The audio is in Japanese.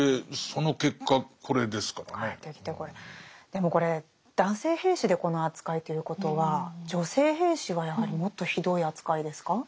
でもこれ男性兵士でこの扱いということは女性兵士はやはりもっとひどい扱いですか？